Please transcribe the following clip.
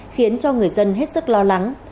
khiến cho người dân hết sức lo lắng